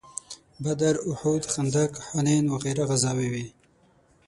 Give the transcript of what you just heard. بدر، احد، خندق، حنین وغیره غزاوې وې.